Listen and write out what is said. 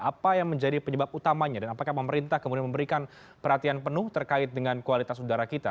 apa yang menjadi penyebab utamanya dan apakah pemerintah kemudian memberikan perhatian penuh terkait dengan kualitas udara kita